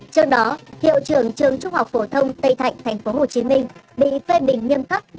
trong đó hiệu trưởng trường trung học phổ thông tây thạnh tp hcm bị phê bình nghiêm cấp